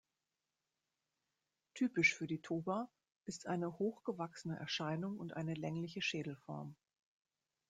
Typisch für die Toba ist eine hochgewachsene Erscheinung und eine längliche Schädelform.